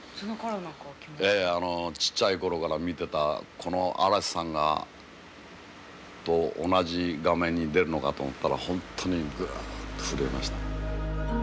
あのちっちゃい頃から見てたこの嵐さんと同じ画面に出るのかと思ったら本当にグッと震えました。